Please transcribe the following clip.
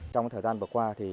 trong thời gian vừa qua